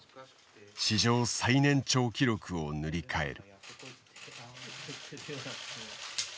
史上最年長記録を塗り替える。